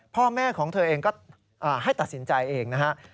พ่อแม่ของเธอเองก็ให้ตัดสินใจเองนะฮะ